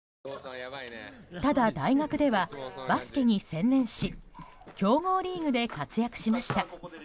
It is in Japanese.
ただ、大学ではバスケに専念し強豪リーグで活躍しました。